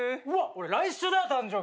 俺来週だよ誕生日。